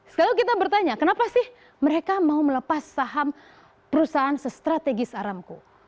sekarang kita bertanya kenapa sih mereka mau melepas saham perusahaan se strategis aramco